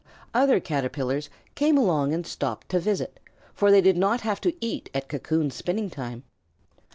Other Caterpillars came along and stopped to visit, for they did not have to eat at cocoon spinning time.